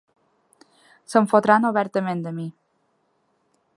Se'n fotran obertament de mi.